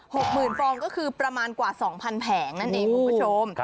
หกหมื่นฟองก็คือประมาณกว่าสองพันแผงนั่นเองคุณผู้ชม